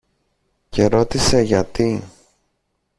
και ρώτησε γιατί.